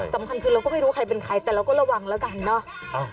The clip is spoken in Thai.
สำคัญคือเราก็ไม่รู้ใครเป็นใครแต่เราก็ระวังแล้วกันเนอะ